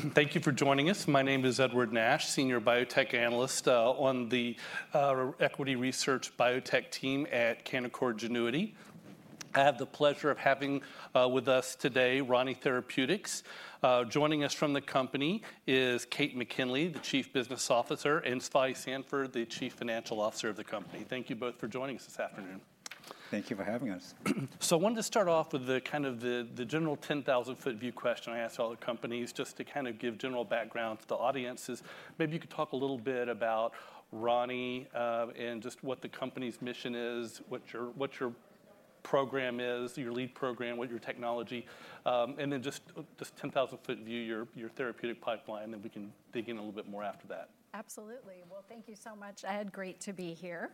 Thank you for joining us. My name is Edward Nash, senior biotech analyst on the equity research biotech team at Canaccord Genuity. I have the pleasure of having with us today Rani Therapeutics. Joining us from the company is Kate McKinley, the Chief Business Officer, and Spike Sanford, the Chief Financial Officer of the company. Thank you both for joining us this afternoon. Thank you for having us. So I wanted to start off with the general 10,000-foot view question I ask all the companies, just to kind of give general background to the audience is, maybe you could talk a little bit about Rani, and just what the company's mission is, what your, what your program is, your lead program, what your technology... And then just, just 10,000-foot view, your, your therapeutic pipeline, and we can dig in a little bit more after that. Absolutely. Well, thank you so much, Ed. Great to be here.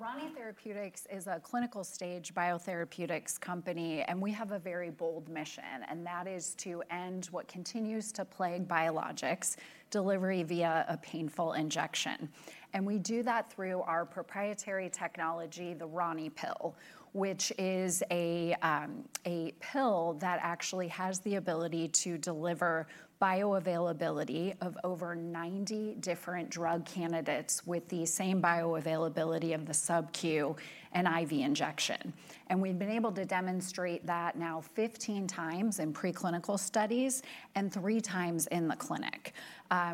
Rani Therapeutics is a clinical stage biotherapeutics company, and we have a very bold mission, and that is to end what continues to plague biologics: delivery via a painful injection. And we do that through our proprietary technology, the RaniPill, which is a pill that actually has the ability to deliver bioavailability of over 90 different drug candidates with the same bioavailability of the SubQ and IV injection. And we've been able to demonstrate that now 15 times in preclinical studies and 3 times in the clinic.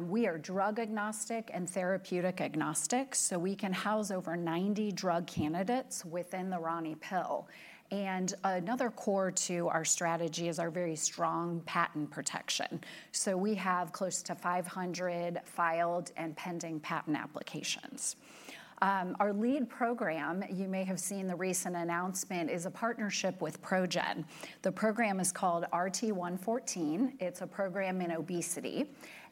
We are drug agnostic and therapeutic agnostic, so we can house over 90 drug candidates within the RaniPill. And another core to our strategy is our very strong patent protection. So we have close to 500 filed and pending patent applications. Our lead program, you may have seen the recent announcement, is a partnership with ProGen. The program is called RT-114. It's a program in obesity,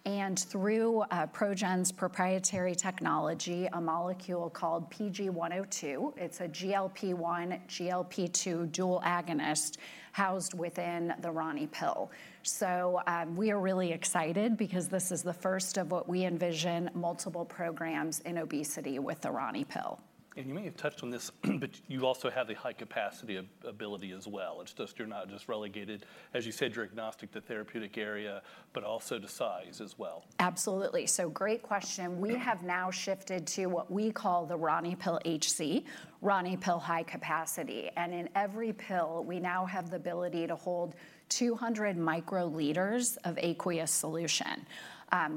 and through ProGen's proprietary technology, a molecule called PG-102. It's a GLP-1/GLP-2 dual agonist housed within the RaniPill. So, we are really excited, because this is the first of what we envision multiple programs in obesity with the RaniPill. You may have touched on this, but you also have a high capacity ability as well. It's just, you're not just relegated... As you said, you're agnostic to therapeutic area, but also to size as well. Absolutely. So great question. We have now shifted to what we call the RaniPill HC, RaniPill High Capacity, and in every pill, we now have the ability to hold 200 microliters of aqueous solution,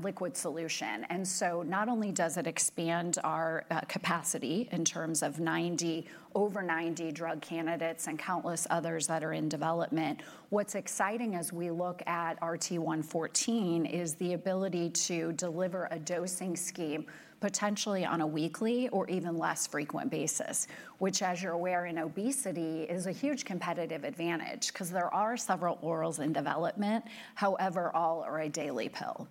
liquid solution. And so not only does it expand our capacity in terms of 90, over 90 drug candidates and countless others that are in development, what's exciting as we look at RT-114 is the ability to deliver a dosing scheme, potentially on a weekly or even less frequent basis, which, as you're aware, in obesity, is a huge competitive advantage, 'cause there are several orals in development, however, all are a daily pill.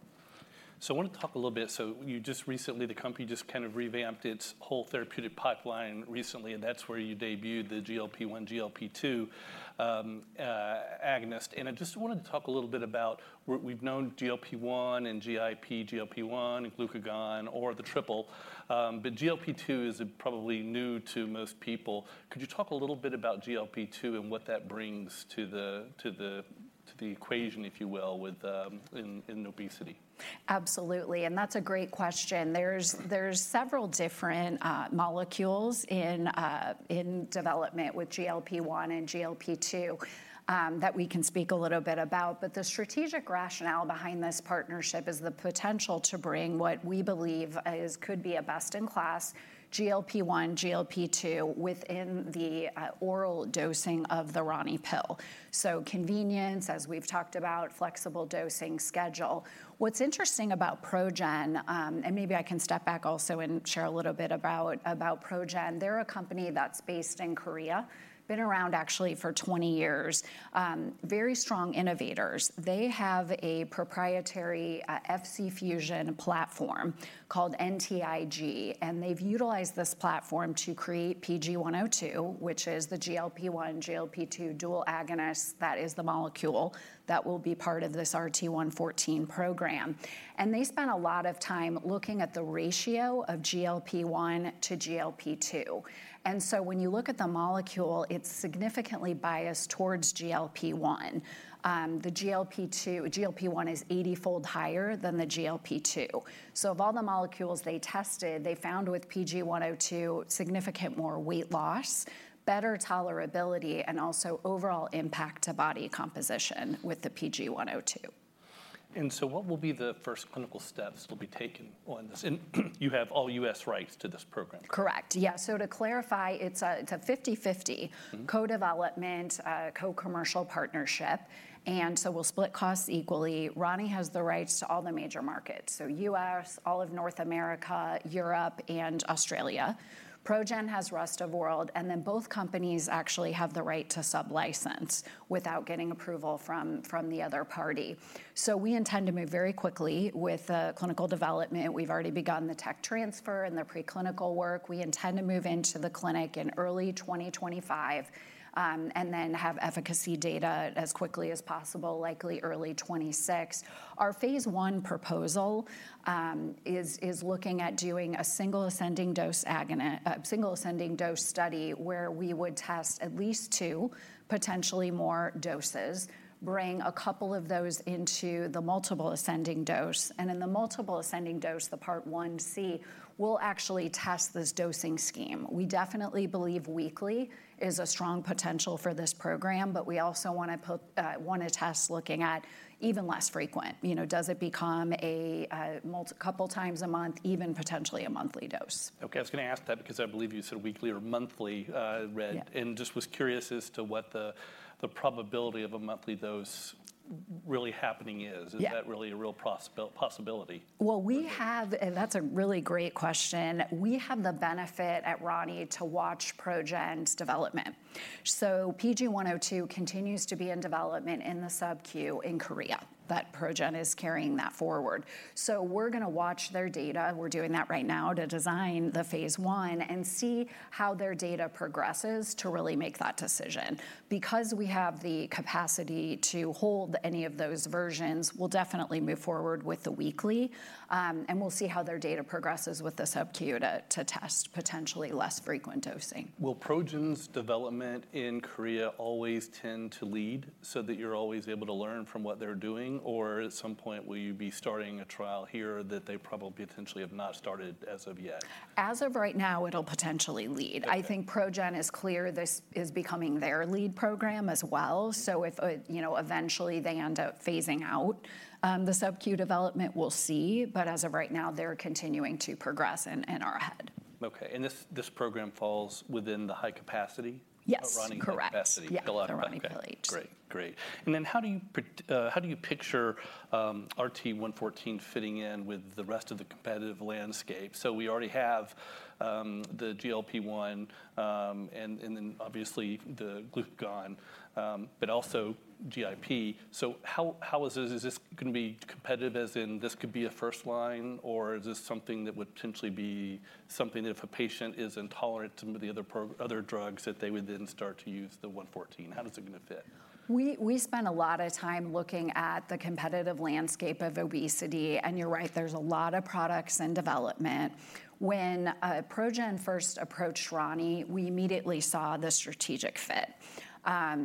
I wanna talk a little bit, so you just recently, the company just kind of revamped its whole therapeutic pipeline recently, and that's where you debuted the GLP-1, GLP-2 agonist. And I just wanted to talk a little bit about where we've known GLP-1 and GIP, GLP-1, and glucagon, or the triple, but GLP-2 is probably new to most people. Could you talk a little bit about GLP-2 and what that brings to the equation, if you will, with in obesity? Absolutely, and that's a great question. There's several different molecules in development with GLP-1 and GLP-2 that we can speak a little bit about. But the strategic rationale behind this partnership is the potential to bring what we believe is could be a best-in-class GLP-1, GLP-2 within the oral dosing of the RaniPill. So convenience, as we've talked about, flexible dosing schedule. What's interesting about ProGen. And maybe I can step back also and share a little bit about ProGen. They're a company that's based in Korea, been around actually for 20 years. Very strong innovators. They have a proprietary Fc fusion platform called NTIG, and they've utilized this platform to create PG-102, which is the GLP-1, GLP-2 dual agonist that is the molecule that will be part of this RT-114 program. They spent a lot of time looking at the ratio of GLP-1 to GLP-2. So when you look at the molecule, it's significantly biased towards GLP-1. The GLP-1 is 80-fold higher than the GLP-2. So of all the molecules they tested, they found with PG-102, significant more weight loss, better tolerability, and also overall impact to body composition with the PG-102. And so what will be the first clinical steps will be taken on this? And you have all U.S. rights to this program? Correct. Yeah. So to clarify, it's a, it's a 50/50- Mm-hmm... co-development, co-commercial partnership, and so we'll split costs equally. RANI has the rights to all the major markets, so U.S., all of North America, Europe, and Australia. ProGen has rest of world, and then both companies actually have the right to sublicense without getting approval from the other party. So we intend to move very quickly with the clinical development. We've already begun the tech transfer and the preclinical work. We intend to move into the clinic in early 2025, and then have efficacy data as quickly as possible, likely early 2026. Our phase I proposal is looking at doing a single ascending dose study, where we would test at least two, potentially more doses, bring a couple of those into the multiple ascending dose, and in the multiple ascending dose, the Part 1C, we'll actually test this dosing scheme. We definitely believe weekly is a strong potential for this program, but we also wanna test looking at even less frequent. You know, does it become a couple times a month, even potentially a monthly dose? Okay, I was gonna ask that because I believe you said weekly or monthly, Red. Yeah. Just was curious as to what the probability of a monthly dose really happening is? Yeah. Is that really a real possibility? Well, we have, and that's a really great question. We have the benefit at RANI to watch ProGen's development. So PG-102 continues to be in development in the subcu in Korea, but ProGen is carrying that forward. So we're gonna watch their data, we're doing that right now, to design the phase one, and see how their data progresses to really make that decision. Because we have the capacity to hold any of those versions, we'll definitely move forward with the weekly, and we'll see how their data progresses with the subQ to test potentially less frequent dosing. Will ProGen's development in Korea always tend to lead so that you're always able to learn from what they're doing? Or at some point, will you be starting a trial here that they probably potentially have not started as of yet? As of right now, it'll potentially lead. Okay. I think ProGen is clear this is becoming their lead program as well. So if, you know, eventually they end up phasing out the SubQ development, we'll see. But as of right now, they're continuing to progress and, and are ahead. Okay, and this program falls within the high capacity? Yes, correct. Rani high capacity. Yeah. The RaniPill HC. Great. Great. And then how do you picture RT-114 fitting in with the rest of the competitive landscape? So we already have the GLP-1 and then obviously the glucagon but also GIP. So how is this— Is this gonna be competitive as in this could be a first line, or is this something that would potentially be something that if a patient is intolerant to some of the other drugs, that they would then start to use the RT-114? How is it gonna fit? We spend a lot of time looking at the competitive landscape of obesity, and you're right, there's a lot of products in development. When ProGen first approached Rani, we immediately saw the strategic fit.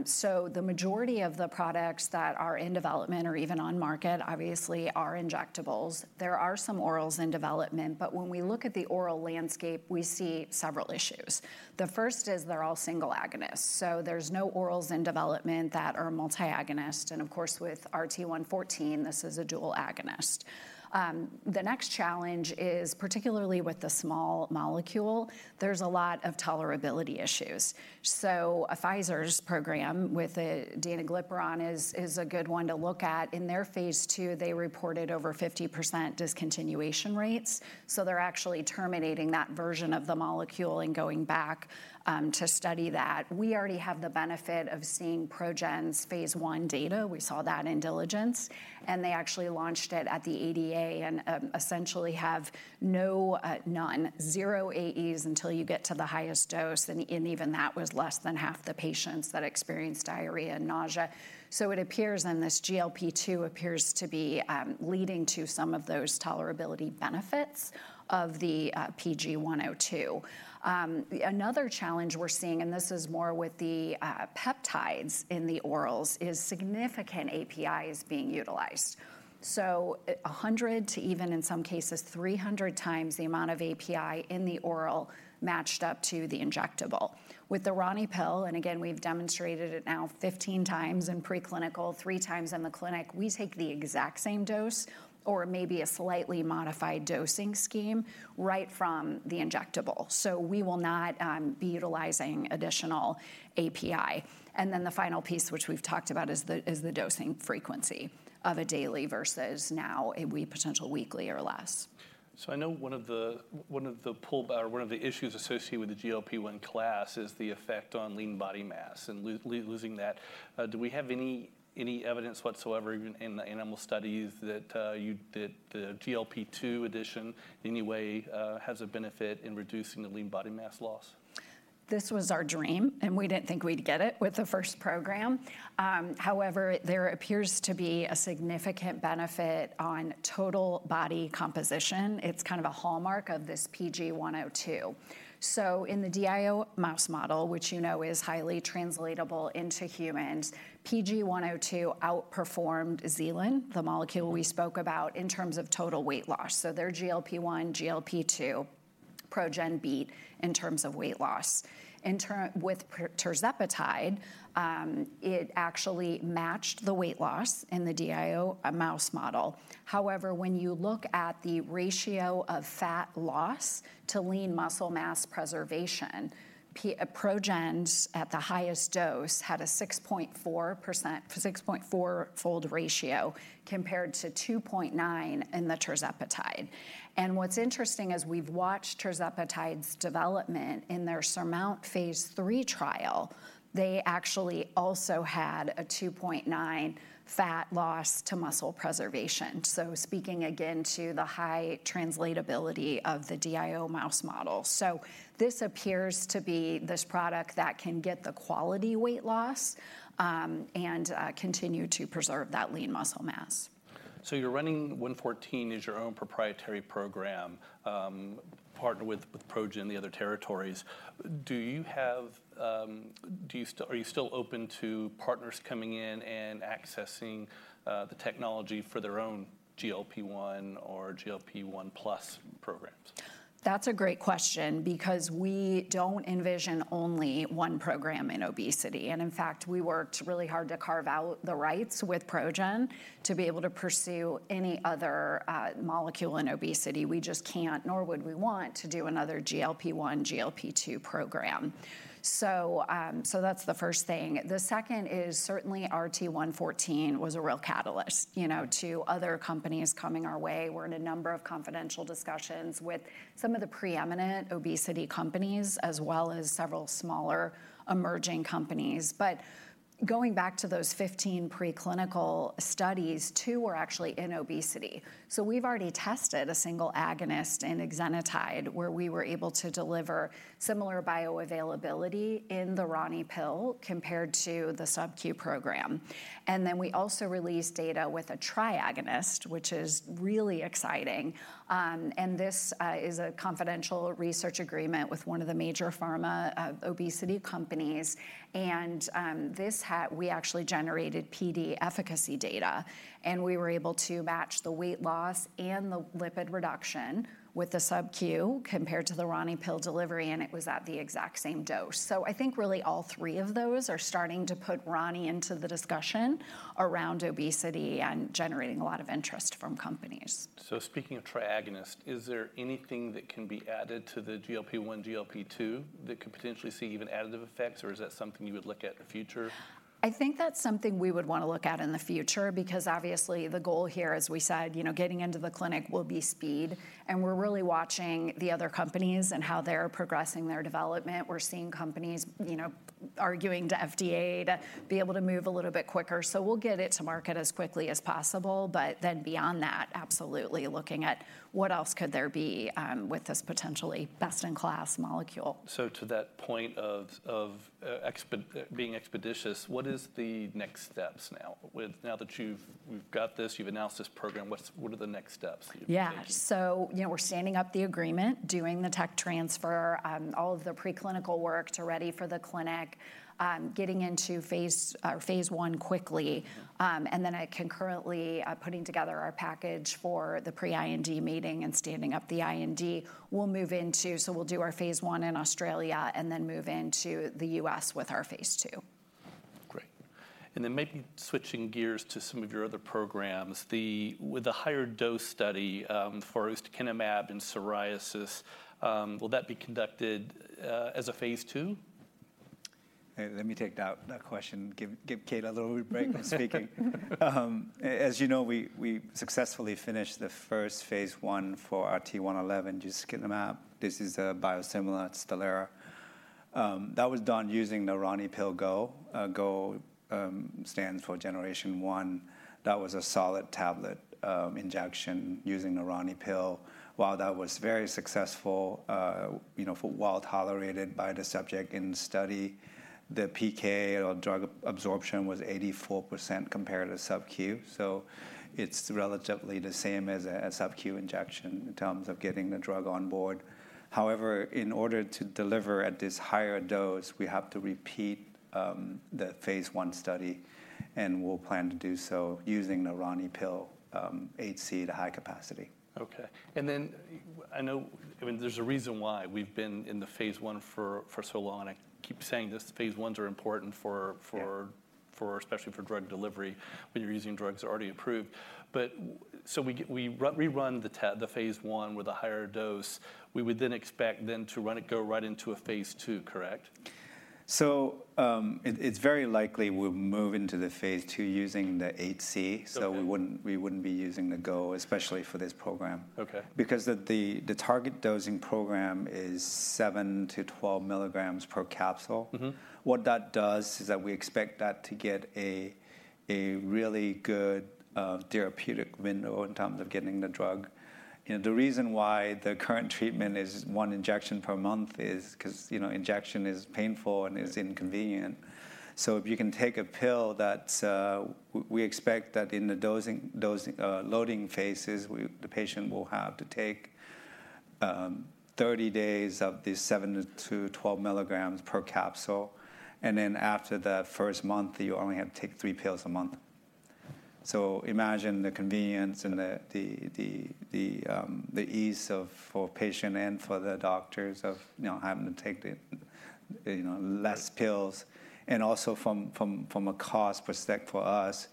So the majority of the products that are in development or even on market, obviously, are injectables. There are some orals in development, but when we look at the oral landscape, we see several issues. The first is they're all single agonists, so there's no orals in development that are multi-agonist. And of course, with RT-114, this is a dual agonist. The next challenge is, particularly with the small molecule, there's a lot of tolerability issues. So Pfizer's program with danoglipron is a good one to look at. In their phase 2, they reported over 50% discontinuation rates, so they're actually terminating that version of the molecule and going back to study that. We already have the benefit of seeing ProGen's phase 1 data. We saw that in diligence, and they actually launched it at the ADA, and essentially have no, none, zero AEs until you get to the highest dose, and even that was less than half the patients that experienced diarrhea and nausea. So it appears, and this GLP-2 appears to be leading to some of those tolerability benefits of the PG-102. Another challenge we're seeing, and this is more with the peptides in the orals, is significant API is being utilized. So 100-300 times the amount of API in the oral matched up to the injectable. With the RaniPill, and again, we've demonstrated it now 15 times in preclinical, 3 times in the clinic, we take the exact same dose or maybe a slightly modified dosing scheme, right from the injectable. So we will not be utilizing additional API. And then the final piece, which we've talked about, is the dosing frequency of a daily versus now a potential weekly or less. So I know one of the issues associated with the GLP-1 class is the effect on lean body mass and losing that. Do we have any evidence whatsoever, even in the animal studies, that the GLP-2 addition, in any way, has a benefit in reducing the lean body mass loss? This was our dream, and we didn't think we'd get it with the first program. However, there appears to be a significant benefit on total body composition. It's kind of a hallmark of this PG-102. So in the DIO mouse model, which you know is highly translatable into humans, PG-102 outperformed Zecan, the molecule we spoke about, in terms of total weight loss. So their GLP-1, GLP-2, ProGen beat in terms of weight loss. With tirzepatide, it actually matched the weight loss in the DIO mouse model. However, when you look at the ratio of fat loss to lean muscle mass preservation, ProGen's at the highest dose, had a 6.4%, 6.4-fold ratio, compared to 2.9 in the tirzepatide. And what's interesting is we've watched tirzepatide's development in their SURMOUNT-Phase 3 trial, they actually also had a 2.9 fat loss to muscle preservation. So speaking again to the high translatability of the DIO mouse model. So this appears to be this product that can get the quality weight loss, and continue to preserve that lean muscle mass. So you're running 114 as your own proprietary program, partnered with ProGen in the other territories. Do you have... Do you still- are you still open to partners coming in and accessing the technology for their own GLP-1 or GLP-1 plus programs?... That's a great question, because we don't envision only one program in obesity, and in fact, we worked really hard to carve out the rights with ProGen to be able to pursue any other molecule in obesity. We just can't, nor would we want, to do another GLP-1, GLP-2 program. So that's the first thing. The second is certainly RT-114 was a real catalyst, you know, to other companies coming our way. We're in a number of confidential discussions with some of the preeminent obesity companies, as well as several smaller emerging companies. But going back to those 15 preclinical studies, 2 were actually in obesity. So we've already tested a single agonist in exenatide, where we were able to deliver similar bioavailability in the RaniPill compared to the SubQ program. And then we also released data with a triagonist, which is really exciting. And this is a confidential research agreement with one of the major pharma obesity companies, and we actually generated PD efficacy data, and we were able to match the weight loss and the lipid reduction with the subQ compared to the RaniPill delivery, and it was at the exact same dose. So I think really all three of those are starting to put Rani into the discussion around obesity and generating a lot of interest from companies. Speaking of triagonist, is there anything that can be added to the GLP-1, GLP-2 that could potentially see even additive effects, or is that something you would look at in the future? I think that's something we would wanna look at in the future, because obviously, the goal here, as we said, you know, getting into the clinic, will be speed, and we're really watching the other companies and how they're progressing their development. We're seeing companies, you know, arguing to FDA to be able to move a little bit quicker. So we'll get it to market as quickly as possible. But then beyond that, absolutely looking at what else could there be, with this potentially best-in-class molecule. So to that point of being expeditious, what is the next steps now? With now that you've—we've got this, you've announced this program, what are the next steps you're taking? Yeah. So, you know, we're standing up the agreement, doing the tech transfer, all of the preclinical work to ready for the clinic, getting into Phase 1 quickly. Yeah. And then concurrently, putting together our package for the pre-IND meeting and standing up the IND. We'll move into... So we'll do our phase 1 in Australia, and then move into the US with our phase 2. Great. And then maybe switching gears to some of your other programs, with the higher dose study for ustekinumab in psoriasis, will that be conducted as a Phase 2? Hey, let me take that question, give Kate a little break from speaking. As you know, we successfully finished the first Phase 1 for RT-111, ustekinumab. This is a biosimilar Stelara. That was done using the RaniPill GO. GO stands for Generation 1. That was a solid tablet injection using the RaniPill. While that was very successful, you know, well-tolerated by the subject in study, the PK or drug absorption was 84% compared to SubQ. So it's relatively the same as a SubQ injection in terms of getting the drug on board. However, in order to deliver at this higher dose, we have to repeat the Phase 1 study, and we'll plan to do so using the RaniPill HC, the high capacity. Okay. And then I know, I mean, there's a reason why we've been in the phase 1 for so long, and I keep saying this, phase 1s are important for- Yeah for especially for drug delivery, when you're using drugs already approved. But so we run the phase 1 with a higher dose, we would then expect to run it, go right into a phase 2, correct? So, it's very likely we'll move into the phase 2 using the HC. Okay. We wouldn't, we wouldn't be using the GO, especially for this program. Okay. Because the target dosing program is 7-12 milligrams per capsule. Mm-hmm. What that does is that we expect that to get a really good therapeutic window in terms of getting the drug. You know, the reason why the current treatment is 1 injection per month is 'cause, you know, injection is painful and is inconvenient. So if you can take a pill that. We expect that in the dosing loading phases, the patient will have to take 30 days of the 7-12 milligrams per capsule, and then after the first month, you only have to take 3 pills a month. So imagine the convenience and the ease of, for patient and for the doctors of, you know, having to take the, you know, less pills. Also from a cost perspective for us,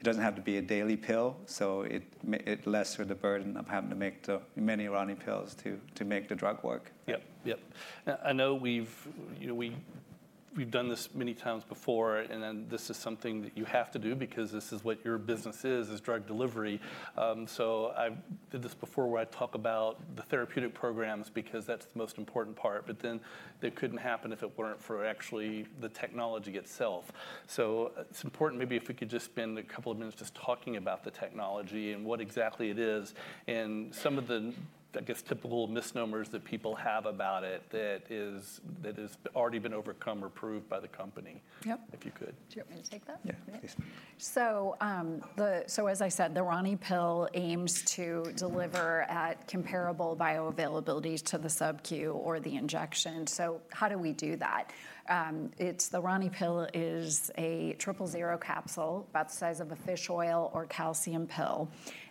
it doesn't have to be a daily pill, so it lessens the burden of having to make the many RaniPill to make the drug work. Yep, yep. Now, I know we've, you know, we've done this many times before, and then this is something that you have to do because this is what your business is, is drug delivery. So I've did this before, where I talk about the therapeutic programs because that's the most important part, but then it couldn't happen if it weren't for actually the technology itself. So it's important, maybe if we could just spend a couple of minutes just talking about the technology and what exactly it is, and some of the, I guess, typical misnomers that people have about it, that is, that has already been overcome or proved by the company. Yep. If you could. Do you want me to take that? Yeah, please. So, as I said, the RaniPill aims to deliver at comparable bioavailability to the subQ or the injection. So how do we do that? It's the RaniPill is a triple zero capsule, about the size of a fish oil or calcium pill.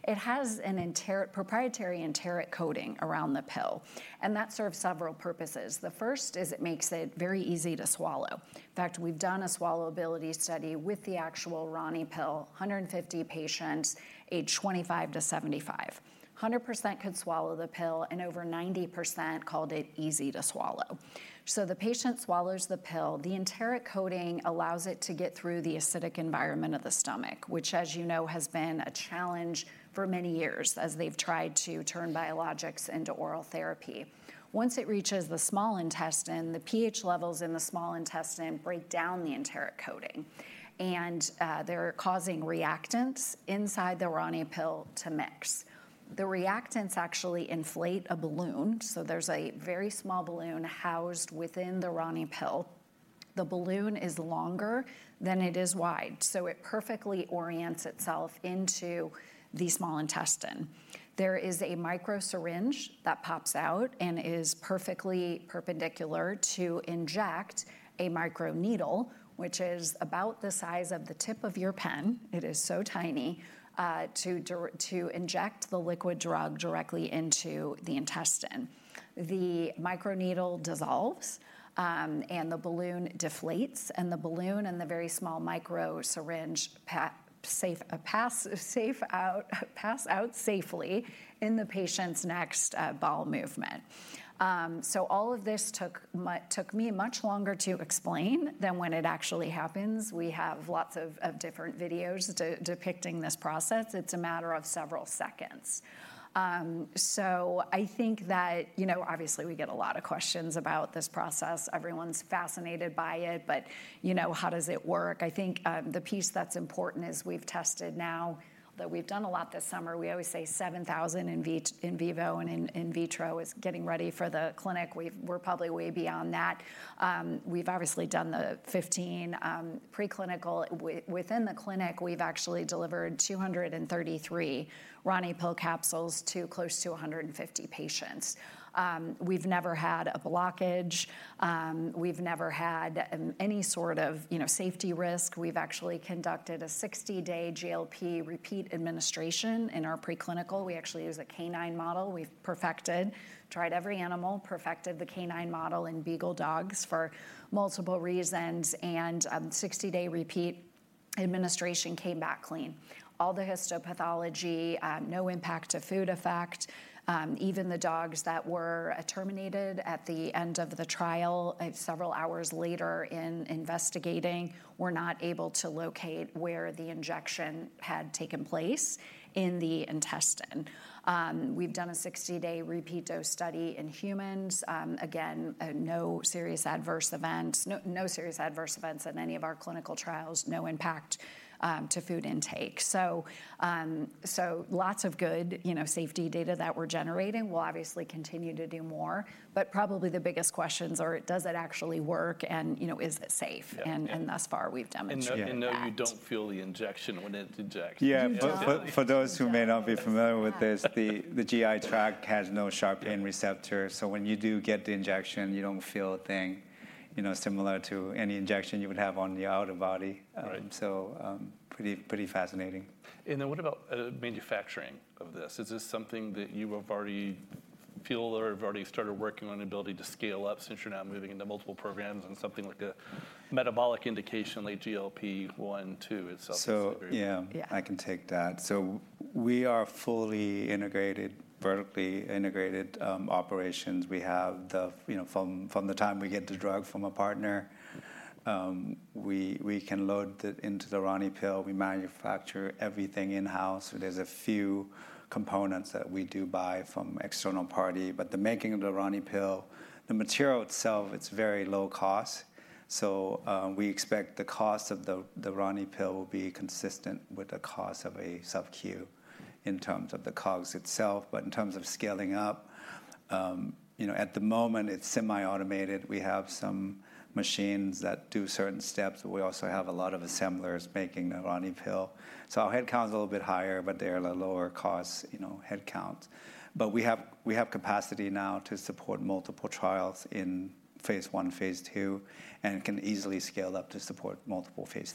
It has a proprietary enteric coating around the pill, and that serves several purposes. The first is it makes it very easy to swallow. In fact, we've done a swallowability study with the actual RaniPill, 150 patients, aged 25 to 75. 100% could swallow the pill, and over 90% called it easy to swallow. So the patient swallows the pill. The enteric coating allows it to get through the acidic environment of the stomach, which, as you know, has been a challenge for many years as they've tried to turn biologics into oral therapy. Once it reaches the small intestine, the pH levels in the small intestine break down the enteric coating, and they're causing reactants inside the RaniPill to mix. The reactants actually inflate a balloon, so there's a very small balloon housed within the RaniPill. The balloon is longer than it is wide, so it perfectly orients itself into the small intestine. There is a micro syringe that pops out and is perfectly perpendicular to inject a microneedle, which is about the size of the tip of your pen. It is so tiny to inject the liquid drug directly into the intestine. The microneedle dissolves, and the balloon deflates, and the balloon, and the very small micro syringe pass out safely in the patient's next bowel movement. So all of this took me much longer to explain than when it actually happens. We have lots of different videos depicting this process. It's a matter of several seconds. So I think that, you know, obviously, we get a lot of questions about this process. Everyone's fascinated by it, but, you know, how does it work? I think the piece that's important is we've tested now. Though we've done a lot this summer, we always say 7,000 in vivo and in vitro is getting ready for the clinic. We're probably way beyond that. We've obviously done the 15 preclinical. Within the clinic, we've actually delivered 233 RaniPill capsules to close to 150 patients. We've never had a blockage. We've never had any sort of, you know, safety risk. We've actually conducted a 60-day GLP repeat administration in our preclinical. We actually use a canine model. We've perfected, tried every animal, perfected the canine model in beagle dogs for multiple reasons, and 60-day repeat administration came back clean. All the histopathology, no impact to food effect. Even the dogs that were terminated at the end of the trial, several hours later in investigating, were not able to locate where the injection had taken place in the intestine. We've done a 60-day repeat dose study in humans, again, no serious adverse events, no serious adverse events in any of our clinical trials, no impact to food intake. So, lots of good, you know, safety data that we're generating. We'll obviously continue to do more, but probably the biggest questions are, does it actually work? And, you know, is it safe? Yeah. And thus far, we've demonstrated that. No, you don't feel the injection when it injects. Yeah. You don't. But for those who may not be familiar with this. Yeah... the GI tract has no sharp pain receptor. Yeah. When you do get the injection, you don't feel a thing, you know, similar to any injection you would have on the outer body. Right. So, pretty, pretty fascinating. And then what about manufacturing of this? Is this something that you have already feel or have already started working on the ability to scale up since you're now moving into multiple programs and something like a metabolic indication like GLP-1, 2 itself is very- So yeah. Yeah. I can take that. So we are fully integrated, vertically integrated operations. We have the... You know, from the time we get the drug from a partner, we can load it into the RaniPill. We manufacture everything in-house. There's a few components that we do buy from external party, but the making of the RaniPill, the material itself, it's very low cost. So we expect the cost of the RaniPill will be consistent with the cost of a SubQ in terms of the COGS itself. But in terms of scaling up, you know, at the moment, it's semi-automated. We have some machines that do certain steps, but we also have a lot of assemblers making the RaniPill. So our headcount is a little bit higher, but they are a lower cost, you know, headcount. We have, we have capacity now to support multiple trials in phase 1, phase 2, and can easily scale up to support multiple phase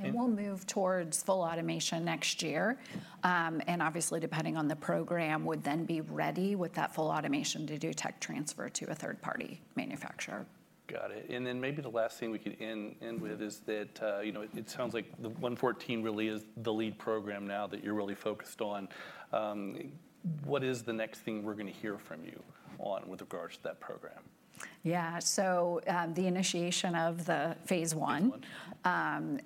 3. We'll move towards full automation next year. Obviously, depending on the program, would then be ready with that full automation to do tech transfer to a third-party manufacturer. Got it. And then maybe the last thing we could end with is that, you know, it sounds like the one fourteen really is the lead program now that you're really focused on. What is the next thing we're gonna hear from you on with regards to that program? Yeah. So, the initiation of the phase 1. Phase 1.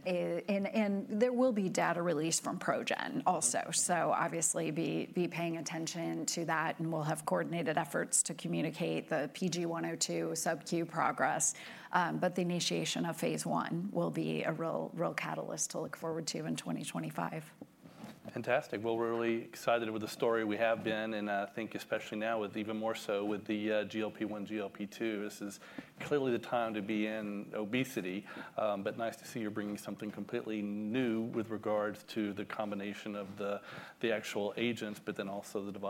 And there will be data released from ProGen also. So obviously, paying attention to that, and we'll have coordinated efforts to communicate the PG-102 SubQ progress. But the initiation of phase 1 will be a real, real catalyst to look forward to in 2025. Fantastic. Well, we're really excited with the story, we have been, and I think especially now, with even more so with the GLP-1, GLP-2, this is clearly the time to be in obesity. But nice to see you're bringing something completely new with regards to the combination of the actual agents, but then also the device.